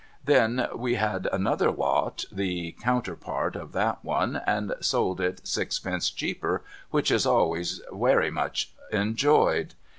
Then we had another lot, the 390 DOCTOR MARIGOLD counterpart of that one, and sold it sixpence cheaper, which is ahvays wery much enjoyed.